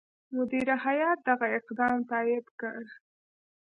مدیره هیات دغه اقدام تایید کړ.